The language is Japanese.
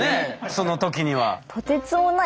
その時には。